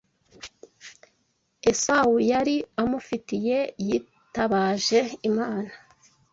Esawu yari amufitiye, yitabaje Imana